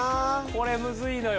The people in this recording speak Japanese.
これむずいのよ。